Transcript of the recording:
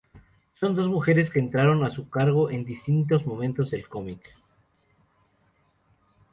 Son dos mujeres que entraron a su cargo en distintos momentos del cómic.